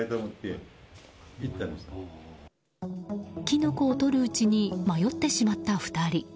キノコを採るうちに迷ってしまった２人。